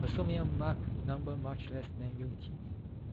Assuming a Mach number much less than unity.